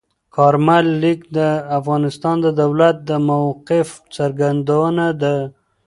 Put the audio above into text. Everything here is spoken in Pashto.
کارمل لیک د افغانستان د دولت د موقف څرګندونه ده.